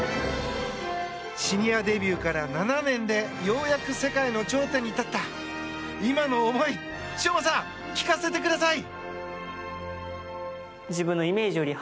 シニアデビューから７年でようやく世界の頂点に立った今の思い、昌磨さん聞かせてください！